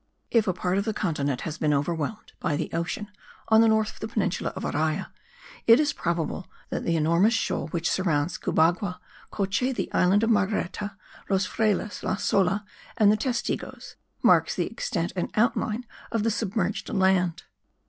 If a part of the continent has been overwhelmed by the ocean on the north of the peninsula of Araya it is probable that the enormous shoal which surrounds Cubagua, Coche the island of Marguerita, Los Frailes, La Sola and the Testigos marks the extent and outline of the submerged land.